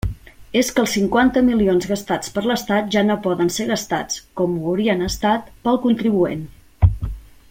És que els cinquanta milions gastats per l'estat ja no poden ser gastats, com ho haurien estat, pel contribuent.